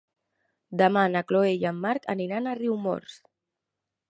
Demà na Chloé i en Marc aniran a Riumors.